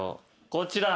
こちら。